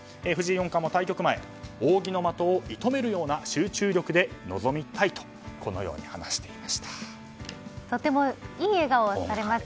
藤井四冠も対局前扇の的を射とめるような集中力で臨みたいとこのように話していました。